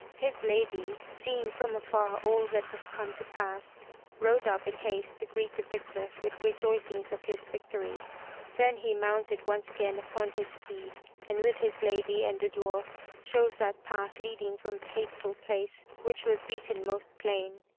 His lady, seeing from afar all that was come to pass, rode up in haste to greet the victor with rejoicings of his victory. Then he mounted once again upon his steed, and with his lady and the dwarf, chose that path leading from the hateful place which was beaten most plain.